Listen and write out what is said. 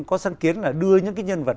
có sáng kiến là đưa những cái nhân vật